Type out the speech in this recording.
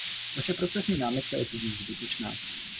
Vaše procesní námitka je tudíž zbytečná.